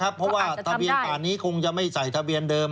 เพราะว่าทะเบียนป่านนี้คงจะไม่ใส่ทะเบียนเดิม